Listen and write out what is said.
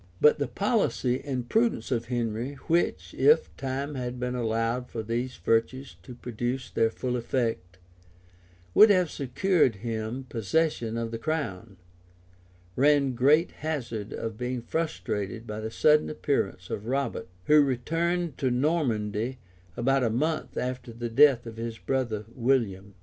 ] But the policy and prudence of Henry, which, if time had been allowed for these virtues to produce their full effect, would have secured him possession of the crown, ran great hazard of being frustrated by the sudden appearance of Robert, who returned to Normandy about a month after the death of his brother William.